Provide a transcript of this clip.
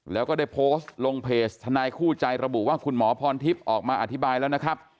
แล้วก็ได้โพสต์ลงเพจทนายคู่ใจระบุว่าคุณหมอพรทิพย์ออกมาอธิบายแล้วนะครับ